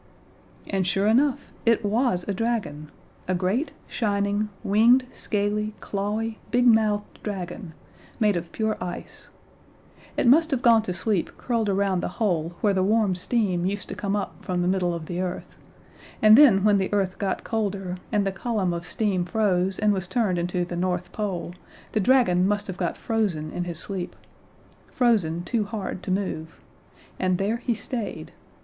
And, sure enough, it was a dragon a great, shining, winged, scaly, clawy, big mouthed dragon made of pure ice. It must have gone to sleep curled around the hole where the warm steam used to come up from the middle of the earth, and then when the earth got colder, and the column of steam froze and was turned into the North Pole, the dragon must have got frozen in his sleep frozen too hard to move and there he stayed.